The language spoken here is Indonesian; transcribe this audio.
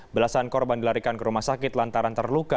belasan korban dilarikan ke rumah sakit lantaran terluka